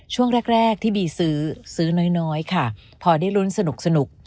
ช่วงแรกที่บีซื้อซื้อน้อยค่ะพอได้ลุ้นสนุก